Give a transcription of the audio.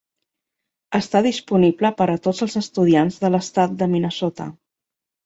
Està disponible per a tots els estudiants de l'estat de Minnesota.